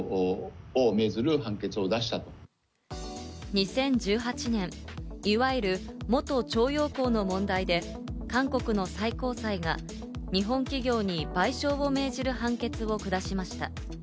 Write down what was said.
２０１８年、いわゆる元徴用工の問題で、韓国の最高裁が日本企業に賠償を命じる判決を下しました。